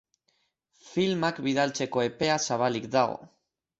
Filmak bidaltzeko epea zabalik dago.